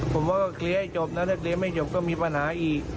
ผมว่าเคลียร์ให้จบนะนักเรียนไม่จบก็มีปัญหาอีก